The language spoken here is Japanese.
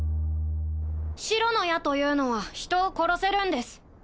白の矢というのは人を殺せるんです